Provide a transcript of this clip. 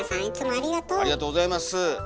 ありがとうございます。